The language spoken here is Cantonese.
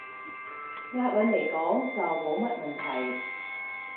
押韻來講，就冇乜問題